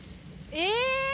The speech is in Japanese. え！